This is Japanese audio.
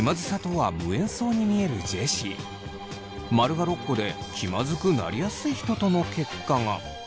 ○が６個で気まずくなりやすい人との結果が。